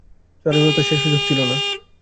চারুলতার সে সুযোগ ছিল না।